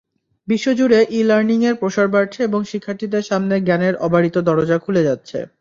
বিশ্বজুড়ে ই-লার্নিংয়ের প্রসার বাড়ছে এবং শিক্ষার্থীদের সামনে জ্ঞানের অবারিত দরজা খুলে যাচ্ছে।